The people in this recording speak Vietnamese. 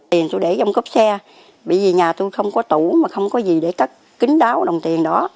tiền tôi để trong cốp xe bị gì nhà tôi không có tủ mà không có gì để cắt kính đáo đồng tiền đó